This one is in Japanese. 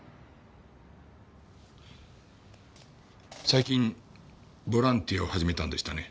最近ボランティアを始めたんでしたね？